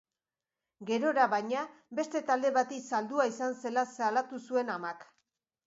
Gerora, baina, beste talde bati saldua izan zela salatu zuen amak.